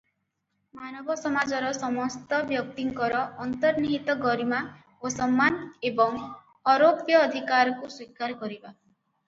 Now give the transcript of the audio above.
ମାନବ ସମାଜର ସମସ୍ତ ବ୍ୟକ୍ତିଙ୍କର ଅନ୍ତର୍ନିହିତ ଗରିମା ଓ ସମ୍ମାନ ଏବଂ ଅରୋପ୍ୟ ଅଧିକାରକୁ ସ୍ୱୀକାର କରିବା ।